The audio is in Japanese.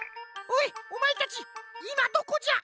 おまえたちいまどこじゃ！？